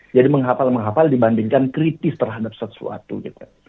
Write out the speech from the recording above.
jadi menghafal menghafal dibandingkan kritis terhadap sesuatu gitu